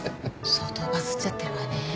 相当バズっちゃってるわね。